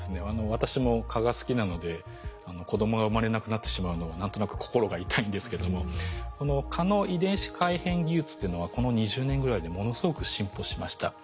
私も蚊が好きなので子どもが生まれなくなってしまうのは何となく心が痛いんですけどもこの蚊の遺伝子改変技術というのはこの２０年ぐらいでものすごく進歩しました。